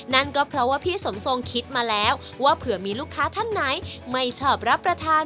นั่นก็เพราะว่าพี่สมทรงคิดมาแล้วว่าเผื่อมีลูกค้าท่านไหนไม่ชอบรับประทาน